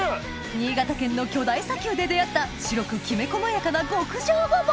新潟県の巨大砂丘で出合った白くきめ細やかな極上ごぼう！